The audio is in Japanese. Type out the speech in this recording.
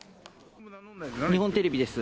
日本テレビです。